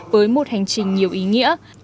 với một hành trình nhiều ý nghĩa